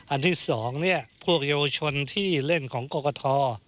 อันที่๒พวกเยาวชนที่เล่นของกรกฐ